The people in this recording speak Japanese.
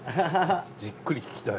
じっくり聞きたい。